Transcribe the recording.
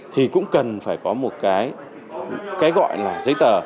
thì cũng cần phải có một cái gọi là giấy tờ